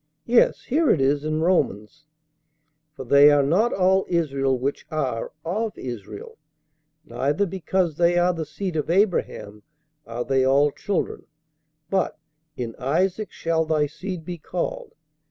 Yes, here it is in Romans: 'For they are not all Israel which are of Israel: neither, because they are the seed of Abraham, are they all children; but, In Isaac shall thy seed be called.